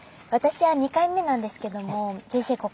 私は２回目なんですけども先生